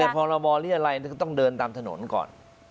แต่พอเราบ่เรียรัยอะไรก็ต้องเดินตามถนนก่อน